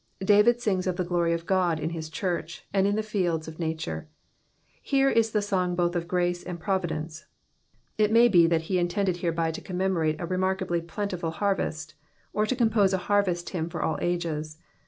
— 2>atn(i sings of the glory of Ood in his church, and in the fields of nature : here is the song both of grace and providence. It may be that he intended hereby to commemMoie a remarkably plentiful harvest, or to compose a harvest hymn for all ages.